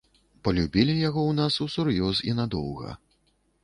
Палюбілі яго ў нас усур'ёз і надоўга.